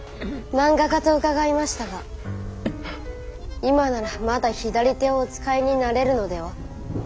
漫画家と伺いましたが今ならまだ左手をお使いになれるのでは？